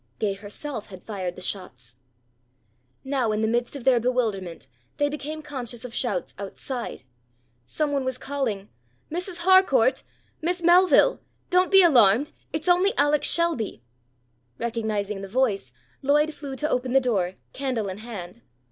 Gay herself had fired the shots. Now in the midst of their bewilderment they became conscious of shouts outside. Some one was calling: "Mrs. Harcourt! Miss Melville! Don't be alarmed! It's only Alex Shelby!" Recognizing the voice, Lloyd flew to open the door, candle in hand.